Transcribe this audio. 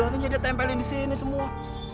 wah berarti dia tempelin disini semua